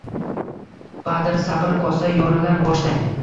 Badr – sabr kosa, yorilar boshday